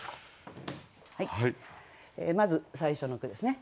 まず最初の句ですね。